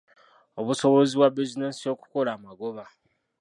Obusobozi bwa bizinensi yo okukola amagoba.